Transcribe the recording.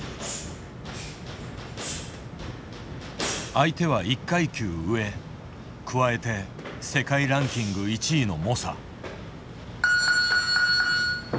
相手は１階級上、加えて世界ランキング１位の猛者。